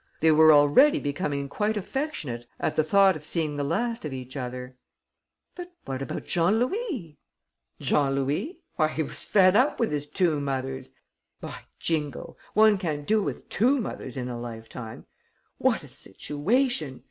They were already becoming quite affectionate at the thought of seeing the last of each other." "But what about Jean Louis?" "Jean Louis? Why, he was fed up with his two mothers! By Jingo, one can't do with two mothers in a life time! What a situation!